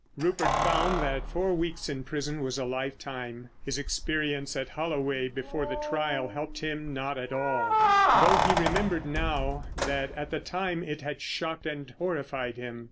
Rupert found that four weeks in prison was a lifetime. His experience at Holloway before the trial helped him not at all; though he remembered now, that at the time, it had shocked and horrified him.